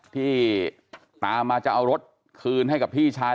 ที่ตามมาจะเอารถคืนให้กับพี่ชาย